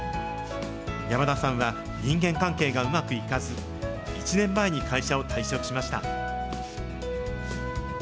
山田さんは人間関係がうまくいかず、１年前に会社を退職しました。